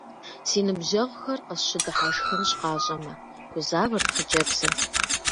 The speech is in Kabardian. Си ныбжьэгъухэр къысщыдыхьэшхынщ, сыкъащӀэмэ, - гузавэрт хъыджэбзыр.